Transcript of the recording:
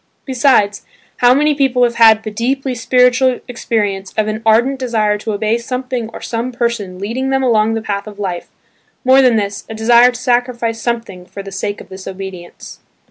Besides, how many people have had the deeply spiritual experience of an ardent desire to obey something or some person leading them along the path of life–more than this, a desire to sacrifice something for the sake of this obedience.